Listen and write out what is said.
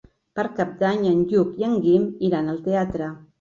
Per Cap d'Any en Lluc i en Guim iran al teatre.